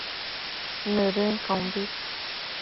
Nëdën caumbi